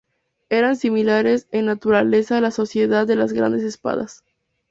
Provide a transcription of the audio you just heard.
Eran similares en naturaleza a la Sociedad de las Grandes Espadas.